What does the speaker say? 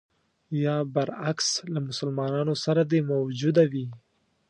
یا برعکس له مسلمانانو سره دې موجوده وي.